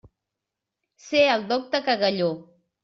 Ser el docte Cagalló.